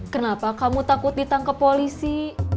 kenapa kamu takut ditangkap polisi